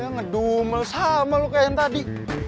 ngedumel sama lo kayak yang tadi